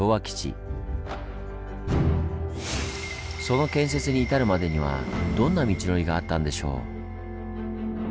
その建設に至るまでにはどんな道のりがあったんでしょう？